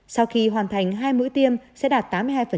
sau khi hoàn thành hai mũi tiêm sẽ đạt tám mươi hai